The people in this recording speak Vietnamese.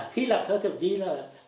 khi làm thơ thiếu nhi là